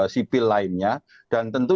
sipil lainnya dan tentu